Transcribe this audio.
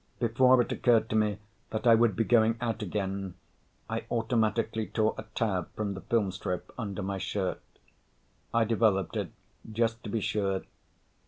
Before it occurred to me that I would be going out again, I automatically tore a tab from the film strip under my shirt. I developed it just to be sure.